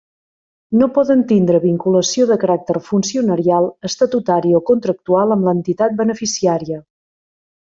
No poden tindre vinculació de caràcter funcionarial, estatutari o contractual amb l'entitat beneficiària.